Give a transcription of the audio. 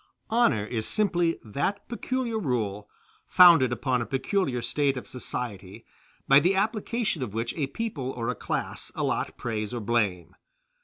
Honor is simply that peculiar rule, founded upon a peculiar state of society, by the application of which a people or a class allot praise or blame.